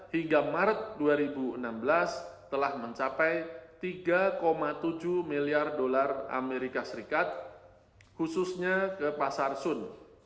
hingga maret dua ribu enam belas telah mencapai tiga tujuh miliar dolar amerika serikat khususnya ke pasar sun